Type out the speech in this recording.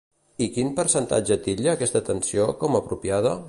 I quin percentatge titlla aquesta atenció com apropiada?